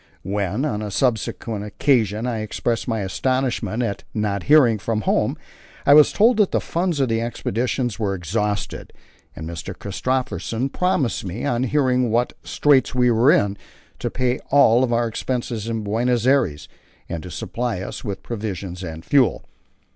When, on a subsequent occasion, I expressed my astonishment at not hearing from home, I was told that the funds of the Expedition were exhausted, and Mr. Christophersen promised me, on hearing what straits we were in, to pay all our expenses in Buenos Aires, and to supply us with provisions and fuel.